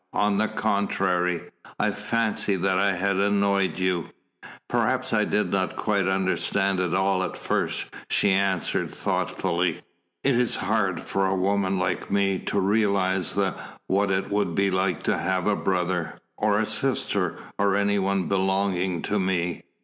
On the contrary I fancied that I had annoyed you." "Perhaps I did not quite understand it all at first," she answered thoughtfully. "It is hard for a woman like me to realise what it would be to have a brother or a sister, or any one belonging to me.